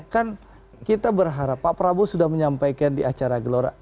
kan kita berharap pak prabowo sudah menyampaikan di acara gelora